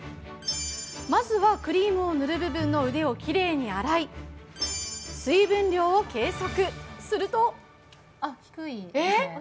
まずはクリームを塗る部分の腕をきれいに洗い、水分量を計測。